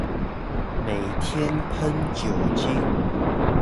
每天噴酒精